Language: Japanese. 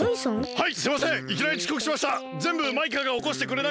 はい！